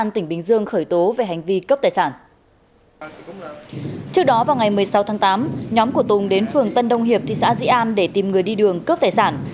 trước đó vào ngày một mươi sáu tháng tám nhóm của tùng đến phường tân đông hiệp thị xã dĩ an để tìm người đi đường cướp tài sản